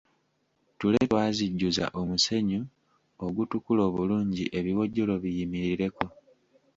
Ttule twazijjuza omusenyu ogutukula obulungi ebiwojjolo biyimirireko.